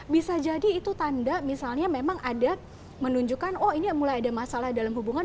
bisa jadi itu tanda misalnya memang ada menunjukkan oh ini mulai ada masalah dalam hubungan